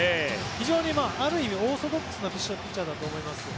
非常にある意味オーソドックスなピッチャーだと思います。